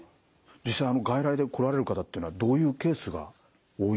実際に外来で来られる方っていうのはどういうケースが多いんですか？